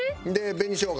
紅しょうが。